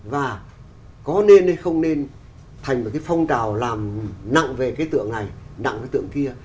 và có nên hay không nên thành một cái phong trào làm nặng về cái tượng này nặng cái tượng kia